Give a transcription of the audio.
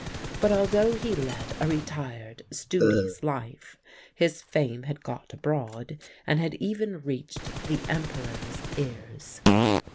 But although he led a retired, studious life, his fame had got abroad and had even reached the Emperor's ears.